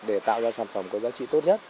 để tạo ra sản phẩm có giá trị tốt nhất